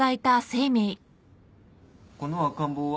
この赤ん坊は？